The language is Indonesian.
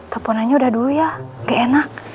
toponanya udah dulu ya gak enak